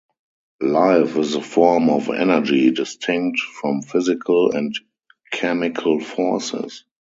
Life is a form of energy distinct from physical and chemical forces.